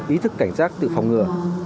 ý thức cảnh giác tự phòng ngừa